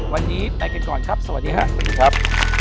วันนี้ไปกันก่อนครับสวัสดีครับ